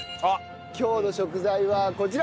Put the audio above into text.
今日の食材はこちら！